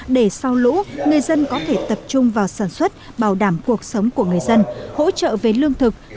để sau lũ người dân có thể tập trung vào sản xuất bảo đảm cuộc sống của người dân hỗ trợ về lương thực